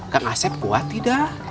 kang asep kuat tidak